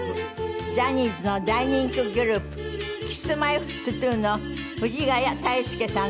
ジャニーズの大人気グループＫｉｓ−Ｍｙ−Ｆｔ２の藤ヶ谷太輔さんです。